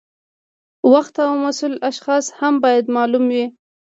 وخت او مسؤل اشخاص هم باید معلوم وي.